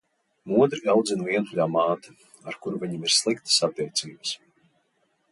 Modri audzina vientuļā māte, ar kuru viņam ir sliktas attiecības.